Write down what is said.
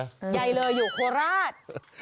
ยายเลยอยู่ครราช